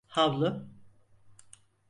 Havlu…